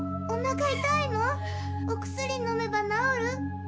おなか痛いの？お薬のめば治る？